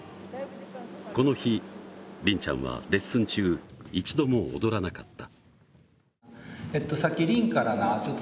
この日りんちゃんはレッスン中、一度も踊らなかった。